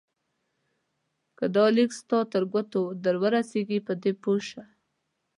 که دا لیک ستا تر ګوتو درورسېږي په دې پوه شه.